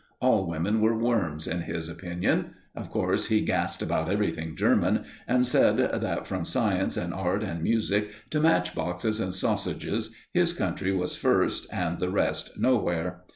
All women were worms, in his opinion. Of course, he gassed about everything German, and said that, from science and art and music to matchboxes and sausages, his country was first and the rest nowhere.